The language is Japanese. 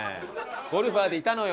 ゴルファーでいたのよ。